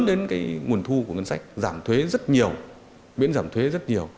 đến cái nguồn thu của ngân sách giảm thuế rất nhiều miễn giảm thuế rất nhiều